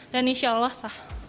dan insya allah sah